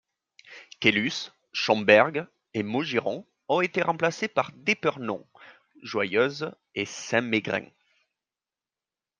Quelus, Schomberg et Maugiron ont été remplacés par d’Épernon, Joyeuse et Saint-Mégrin.